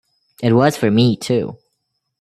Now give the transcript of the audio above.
It was for me, too.